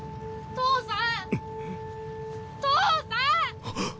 父さん！